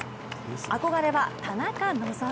憧れは田中希実。